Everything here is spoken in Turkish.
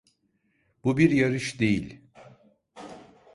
Bu bir yarış değil.